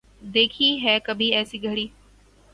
دیکھی ہے کبھی ایسی گھڑی